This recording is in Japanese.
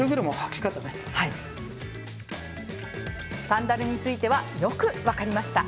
サンダルについてはよく分かりました。